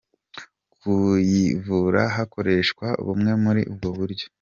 Kuyivura hakoreshwa bumwe muri ubu buryo:.